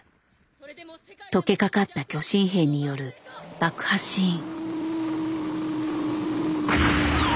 溶けかかった巨神兵による爆破シーン。